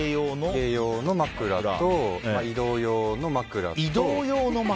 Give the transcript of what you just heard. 家用の枕と移動用の枕と。